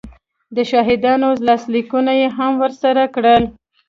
د شاهدانو لاسلیکونه یې هم ورسره کړل